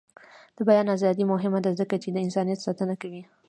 د بیان ازادي مهمه ده ځکه چې د انسانیت ساتنه کوي.